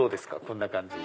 こんな感じ。